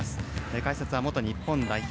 解説は元日本代表